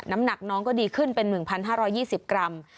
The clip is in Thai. น้ำหนักน้องก็ดีขึ้นเป็น๑๕๒๐กรัม